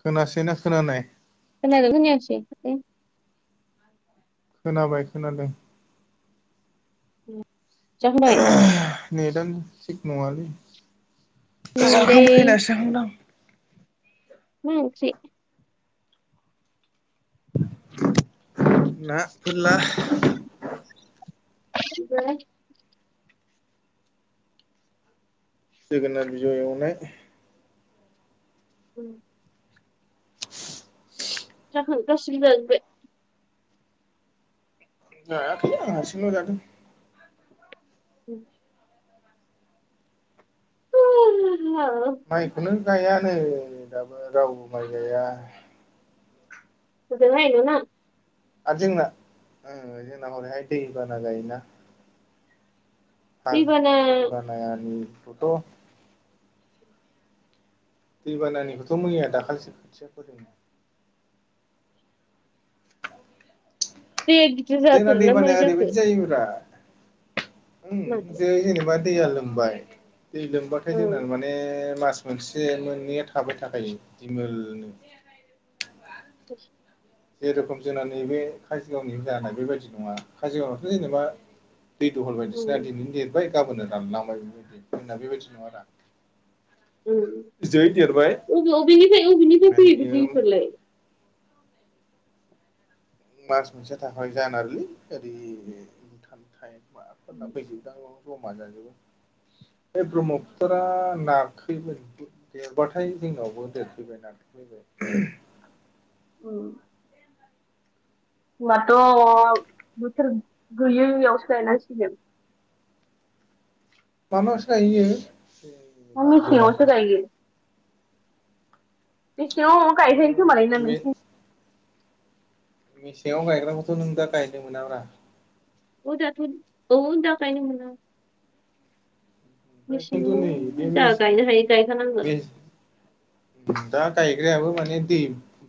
खोनासै ना खोनानाय खोनादो ना खोनायासै खोनाबाय खोनादों जाबाय नेटानो थिग नङालै उम दै जाखांबाय होननाय जाखांदां मा ओंख्रि ना फोरला बे जोगोनार बिजौ एवनाय उम जोगोन गासैबो जाजोबबाय जायाखै आं हारसिंल' जादों उ ह माइखौनो गायानो दाबो रावबो माइ गाया हजोंहाय नोंना आरो जोंना जोंना हरैहाय दै बाना जायोना बा दैबाना बानायनिखौथ' दैबानानिखौथ' मैया दाखालिसो खोथिया फोरोंनो दे बेेदि जाखो ना मारै जाखो फै ब्रा उ मानो जै जेनेबा दैया लोमबाय दै लोमबाथाय जोंना ओं माने मास मोनसे मोननैया थाबाय थाखायो दिमोलनो [unintelligible] जेरखम जोंना नैबे काजिगावनि जानाय बेबायदि नङा काजगावावथ' जेनेबा दै दहल बायदिसिना उम दिनैनो देरबाय गाबोन रानलांबाय बेबाय होनना बेबायदि नङा दा जै देरबाय बबे अबेनिफ्राय बबेनिफ्राय माने फै दैफोरलाय मास मोनसे थाखाय जानारलै ओरैथाम थाइ माबाफोरना फैद मा जबो बे ब्रह्मपुतरा नार देरबाथाय जोंनावबो देरफैबाय नफैबाय औ होनबाथ' बोथोर गैयैयावसो गायनांसिगोन मानासो गायहैयो ना मिसेंआवसो गायो बेसे गायबाय खोमालै ना नैबे मे नोंसि मेसेङाव गायग्राखौथ' नों दा गायनो मोनाब्रा औ दाथ औ दा गायनो मोना ओमफ्राय खिन्थु नै बे मेसेङाव जा मे गायनो हाय गायखानांगोन दा गायग्रायाबो माने दै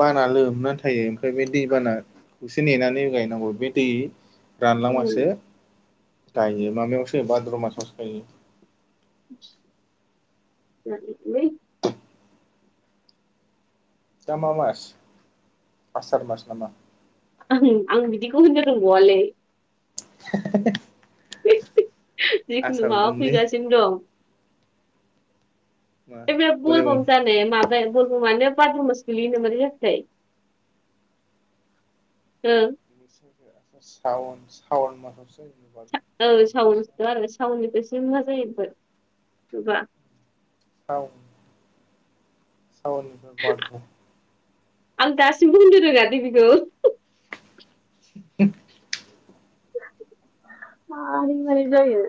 बाना लोमनानै थायो ओमफ्राय बे दै बाना गसे नेनानै गायनांगौ बे दै रानलांबासो गायो माबायावसो भाद्र मासावसो गायो [unintelligible] दा मा मास आसार मास नामा? आं बिदिखौ होनो रोंबावआलै [unintelligible] जिखुनु आसार माबा दांलै फैगासिनो दं मा बलेबम बलबम जानाया माब बलबमानो बाद्र' मास गोलैयो ना मारै जाखोथाय? ओं। [inaudible] सावन सावन मासावसो जायो सा औ सावन सावनसोथ' आरो सावननिफायसो मा जायो बो बेबा। औ। सावननिफ्राय बाद्र' आं दासिमबो होननो रोङा दे बिखौ। [inaudible] मारै-मारै जायो।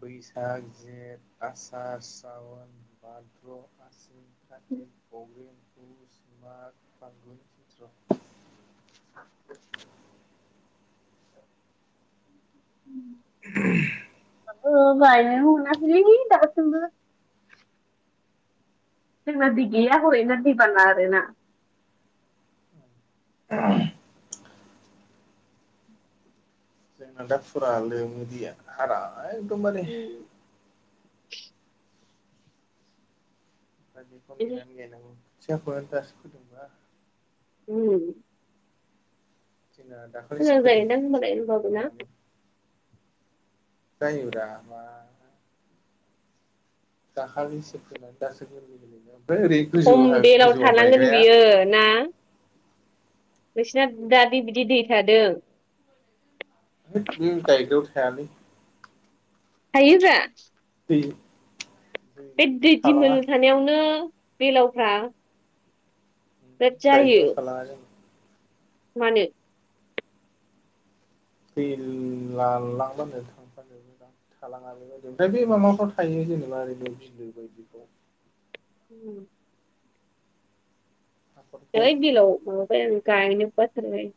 बैसाग जेठ आसार सावन बाद्र' आसिन खाथि [unintelligible] पुस माघ फागुन सैत्र'। ओ बायनोनो मोनाखैलै दासिमबो। जोंना बिगैया हरैना दैबाना आरोना। [unintelligible] जोंना दा फुरा लोमो दैया हारा एकदम बारे [unintelligible] दा बेखौ नेनानै गायनांगौ खोथियाखौनो दासो फोदोंबा। उम। जोंना दाखालिसो मोजां फोदोंनो जायोदां होमबालाय खोथियाखौनो बे होमबाबो ना माबानि जायो ब्रा मा दाखालि फोनानै दासो गोरलै गोरलैनो ओमफ्राय ओरै गोजौहा गोजौआव गायग्राया ओ ना नोंसिना दा गोलाव दि बिदि दै थादों। [unintelligible] उम गायग्रायाव थायालै। थायोब्रा। दै जों बे बिदि दै थालाङा दिमोल थानायावनो बेलावफ्रा बिराद गाइग्रायाव जायो सालांआनो मानो दै ला-लांबानो थांफानो जोबो [unintelligible] [unintelligible] बे माबाफोर थायो जेनेबा ओरैनो बिलो बायदिफ्राव। उम। हाखरफ्राव जै बेलाव माबाबाय आं गाहैनो बाथारबाय।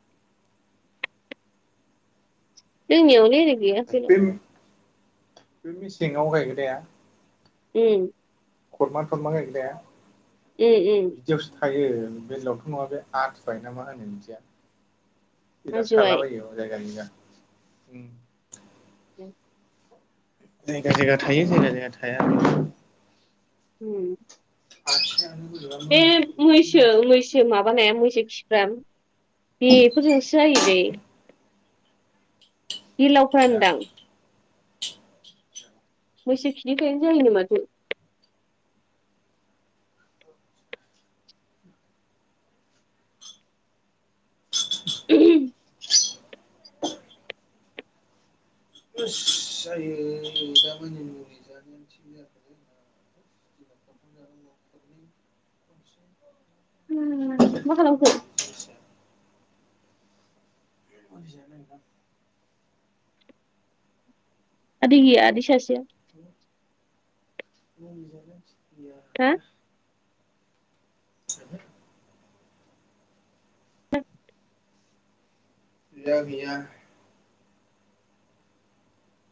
जोंनियावलाय ओरै गैया बेलाव बारा बे-बे मेसेंआव गायग्राया उम। खरमा थरमा गायग्राया। उम-उम। बिदिआवसो थायो बेटलावथ' नङा बे आथुआय ना मा होनो बिदिया। बिराज थाला आजौआइ बायो हजाय गामिनिया उम। [unintelligible] जायगा-जायगा थायो जायगा-जायगा थाया। उम। आसिआनो बोरैबा मोनजोबो [unintelligible] मोनथिया अरदो माने मैसो खिफ्राम बेफोरजोंसो जायो बे। बिलावफ्रा नो आथुवाया दां। मैसो खिनिफ्रायनो जायो नो माथो [inaudible] आरो जायो दामानि मुलि जानायानोसै जयाख [inaudible] मा खालामखो जानोा आदि गैया आदि सासेया हा [inaudible] मिथियालै गैया-गैया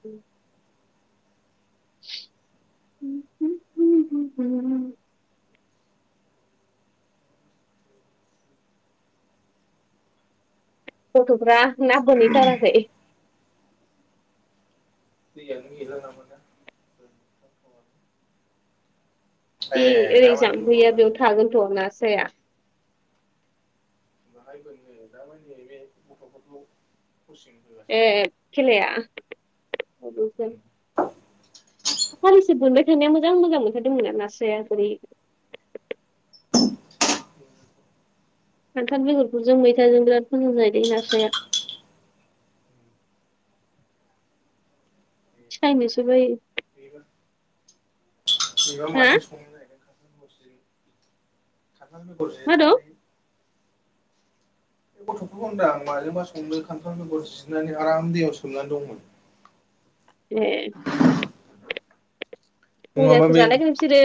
उम [inaudible] गथ'फ्रा ना बोनहैथाराखै यानि इला नामग ए बे ओरै दामानि अहा जाम्फैया बेयाव बोननो बे थागोनथ' आं न स्राया बेवहायबो दा मान न बे गथ'फोरखौ कचं ए खेलाया हलिसो मोनबाय थानाया मोजां मोजां मोनथारदोंमोन आरो नास्राया बोरै [inaudible] खान्थाल बेगरखौ जों मैथाजों बिराद मोां जायो दै नास्राया खायनोसै बाय बि हा मानो संो खगर मा दं जेननानै बे गथ'फोरखौ होनदोंां आं माजोंबा संनो खान्थाल बेगर सिनानै आराम दैयाव सोमनानै दंमोन बे नङाबा मुजाखौ बे जानायखौोन नोंसोरो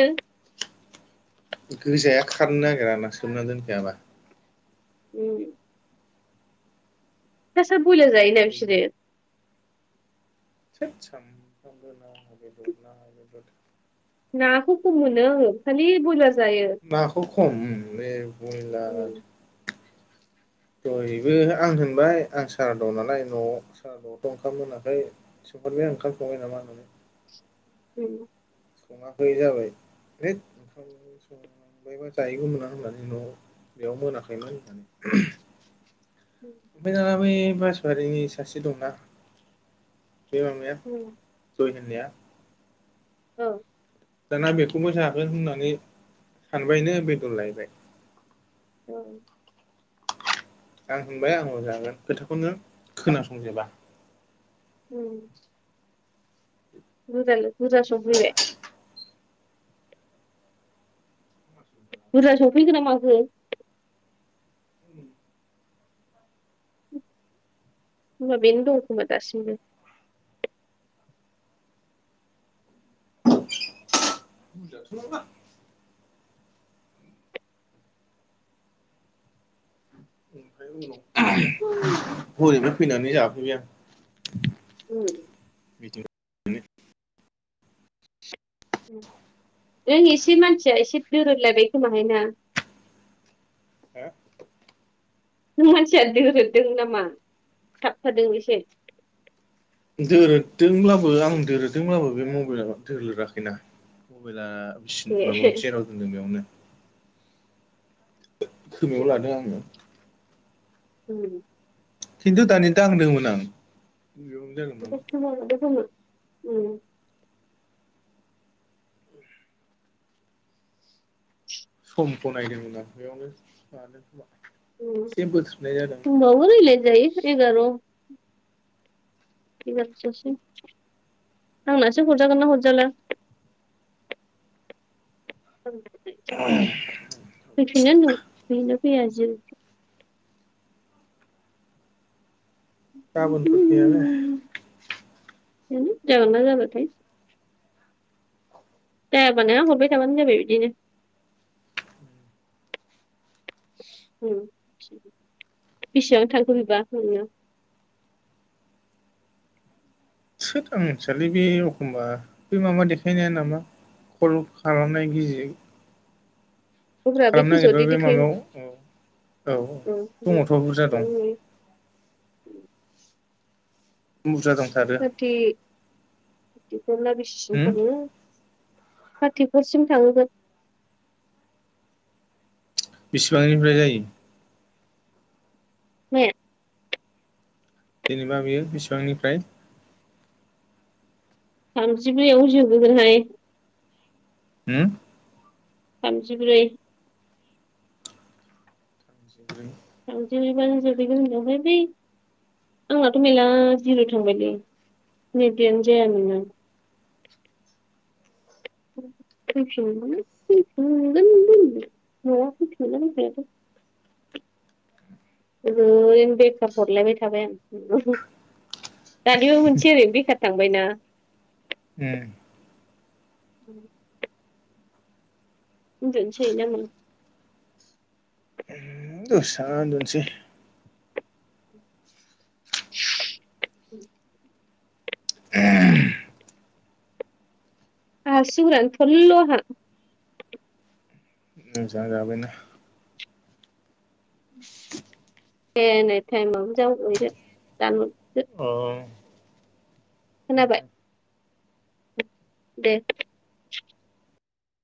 गोजाया खारनो नागिरा ना सोमना दोनखायाबा उम द सार बोलो जायोना बिसोरो सामफ्रामबो न ह बे न बे नाखौ खम मोनोोलि बला नाखौ खम बे बयलार उम दहबो आं होनबाय आं सारा दं नालाय न' स आआवथ ओंाम मोनाखै सोंफोरबाय ओंखाम संबाय नामा होननानै उ सङाखैयै जाबाय है ओंखाम संबायबा जाहैगौ मोना होननानै न' बेयाव मोनाखैमोन होननानै उ ओमफ्राय दाना बै बासबारिनि सासे दंना जया [inaudible] जयहनिया औ दाना बेखौबो जागोन होननानै सानबायनो बेदन लायबाय औ आं होनबाय आं मोजागोन खोथाखौनो खोनासंजोबा उ बजाल फुजा सयो बुरजा सफैगोन ना माखखौ महा बेनो दंखोमा दासिमबो [unintelligible] ओम उनाव हरैबो फैनानै जाफैबाय आं उम बिदिनो नों एसे मानसिया एसे दुरुनलायबाय खोमाहाय ना नों मानसिया दोरोदों नामा थाबथादों एसे दोरोदोंब्लाबो आं दोरोदोंब्लाबो बे मबाइलाव दोर लेराखैना मबाइला माबा मोनसेेराव दोनदों बेयावनो खोमायाव लादों आङो उम खिन्थु दानि दा होनदोंमोन आं जागोन नामा [unintelligible] [inaudible] समखौ नायदोंमोन आं बेयावनो मानोना एसे बोथोबनाय जादोंमोन। गरलाय जायो एगार बिगससै आंनासो हरजागोन नना हरजाल फैफिनो हैनो फैया जों गाबोनफोर फैया बे जानो जागोन ना जालाथाय दे होनबाना हरबाय थाबानो जाबाय बिदिनो। बेसेबां थांखो बेबा थोद आं मिथियालै बे एखमबा बे माबा देखायनाया नामा कल खालामनाय गिजि अब्रा बे खालामनो नागिरबा गोजौआवदि बे देखायो माबायाव औ औ दङथ' बुरजा दं। बेयाव नुयो बुरजा दंथारो। फुरथि फुरखौ नना बेसेसिम उम फानो थार्टिफरसिम थांगोन। बेसेबांनिफ्राय जायो माया जेनेबा बियो बिसिबांनिफ्राय थामजिब्रैआवहाय जोबोगोनहाय होम थामजिब्रै [inaudible] [unintelligible] आंनाथ' मेरला जिर' थांबायलै नेैबयानो जाया नङा। [inaudible] [unintelligible] ओरैनो बेखार हरलायबाय थाबाय आं दानिबो मोनसै आरोनो बेखार थांबायना। ए दोनसै ना मा? उम दसे थाना उनदुसै [inaudible] [inaudible] आसुगुरानो थरल‌ आंहा मोजां जाबायना देनै टाइमाबबो [inaudible] ओं खोनाबाय? दे